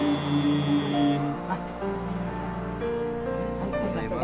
ありがとうございます。